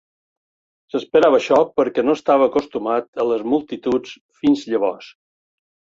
S"esperava això, perquè no estava acostumat a les multituds fins llavors.